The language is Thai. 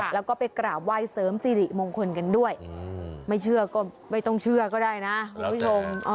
แล้วก็ไปกราบไหว้เสริมสิริมงคลกันด้วยไม่เชื่อก็ไม่ต้องเชื่อก็ได้นะคุณผู้ชม